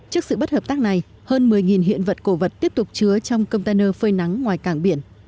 trước sự bất hợp tác này hơn một mươi hiện vật cổ vật tiếp tục chứa trong container phơi nắng ngoài cảng biển